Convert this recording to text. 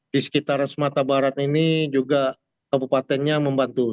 di sekitar sumatera barat ini juga kabupatennya membantu